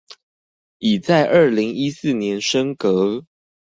已在二零一四年升格